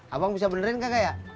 abang bisa benerin kagak ya